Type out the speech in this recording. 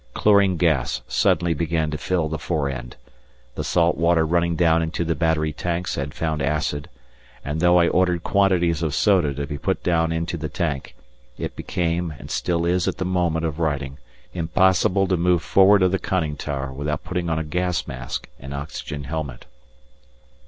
Chlorine gas suddenly began to fill the fore end. The salt water running down into the battery tanks had found acid, and though I ordered quantities of soda to be put down into the tank, it became, and still is at the moment of writing, impossible to move forward of the conning tower without putting on a gas mask and oxygen helmet.